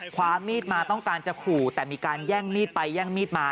ความมีดมาต้องการจะขู่แต่มีการแย่งมีดไปแย่งมีดมา